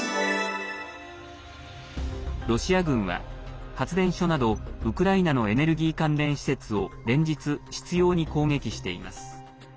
ロシア軍は発電所など、ウクライナのエネルギー関連施設を連日、執ように攻撃しています。